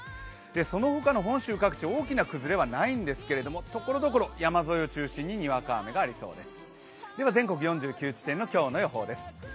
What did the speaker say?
そのほかの本州各地大きな崩れはないんですけれども、ところどころ山沿いを中心にわか雨がありそうです。